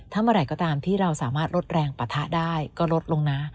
ถ้าเมื่อไหร่ก็ตามที่เราสามารถลดแรงปะทะได้ก็ลดลงนะ